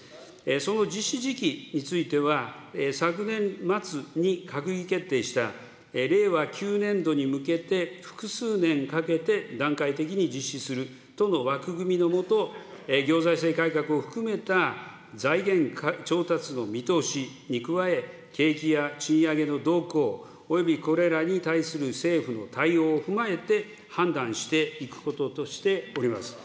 その実施時期については、昨年末に閣議決定した、令和９年度に向けて複数年かけて段階的に実施するとの枠組みの下、行財政改革を含めた財源調達の見通しに加え、景気や賃上げの動向、および、これらに対する政府の対応を踏まえて判断していくこととしております。